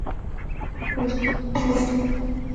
বাবা, এসব নিয়ে সকালে কথা হবে।